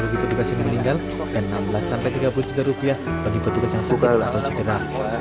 bagi petugas yang meninggal dan enam belas tiga puluh juta rupiah bagi petugas yang sakit atau cedera